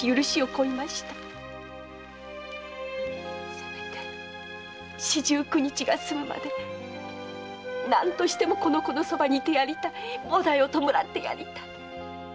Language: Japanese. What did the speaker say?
せめて四十九日が済むまで何としてもこの子の側に居てやりたい。菩提を弔ってやりたい。